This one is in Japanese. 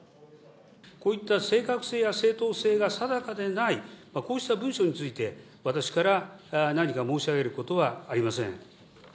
こういった正確性や正当性が定かでない、こうした文書について、私から何か申し上げることはありません。